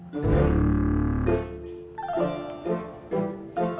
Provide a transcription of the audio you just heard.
saya sudah bertemu dia